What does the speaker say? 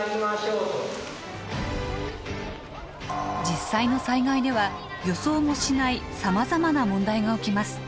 実際の災害では予想もしないさまざまな問題が起きます。